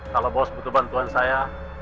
kalau bos butuh bantuan saya